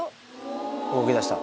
動き出した。